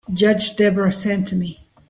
Judge Debra sent me.